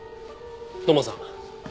土門さん。